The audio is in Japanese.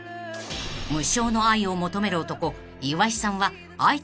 ［無償の愛を求める男岩井さんは］